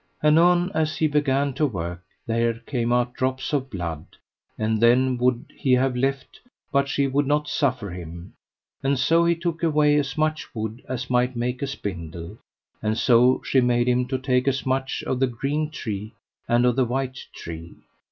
Anon as he began to work there came out drops of blood; and then would he have left, but she would not suffer him, and so he took away as much wood as might make a spindle: and so she made him to take as much of the green tree and of the white tree.